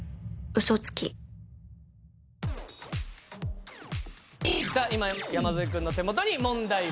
嘘つきさあ今山添くんの手元に問題文。